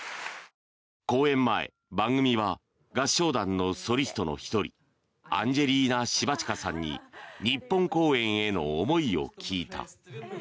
公演前、番組は合唱団のソリストの１人アンジェリーナ・シヴァチカさんに日本公演への思いを聞いた。